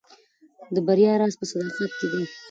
د بریا راز په صداقت کې دی.